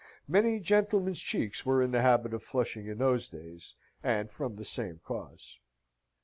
Many gentlemen's cheeks were in the habit of flushing in those days, and from the same cause.